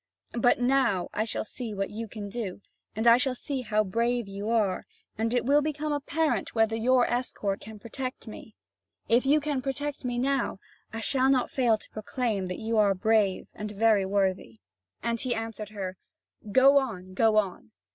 But now I shall see what you can do, and I shall see how brave you are, and it will become apparent whether your escort can protect me. If you can protect me now, I shall not fail to proclaim that you are brave and very worthy." And he answered her: "Go on, go on!"